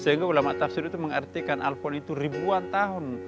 sehingga ulama tafsir itu mengartikan alphon itu ribuan tahun